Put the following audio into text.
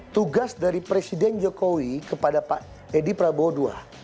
tugas dari presiden jokowi kepada pak edi prabowo ii